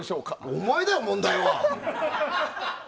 お前だよ、問題は。